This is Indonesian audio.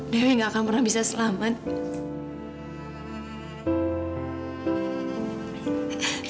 dewe gak akan pernah bisa selamat